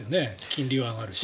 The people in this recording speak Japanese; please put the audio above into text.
金利は上がるし。